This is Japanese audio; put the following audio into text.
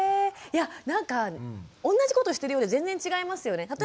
いやなんか同じことしてるようで全然違いますよね。